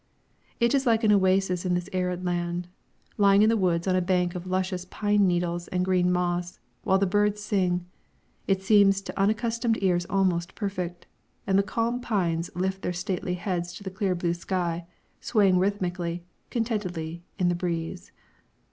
It is like an oasis in this arid land. Lying in the woods on a bank of luscious pine needles and green moss, while the birds sing, it seems to unaccustomed ears almost perfect; and the calm pines lift their stately heads to the clear blue sky, swaying rhythmically, contentedly, in the breeze.